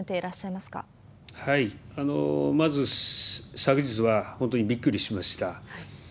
まず、昨日は本当にびっくりしました。